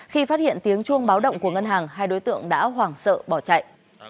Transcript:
khi phát hiện tiếng chuông báo động của ngân hàng hai đối tượng đã hoảng sợ bỏ chạy